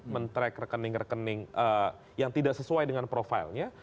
men track rekening rekening yang tidak sesuai dengan profilnya